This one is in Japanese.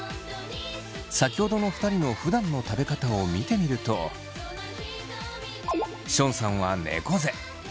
先ほどの２人のふだんの食べ方を見てみるとションさんは猫背。